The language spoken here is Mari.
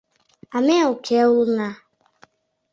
А ме уке улына...